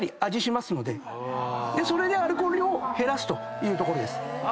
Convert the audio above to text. それでアルコール量を減らすというところです。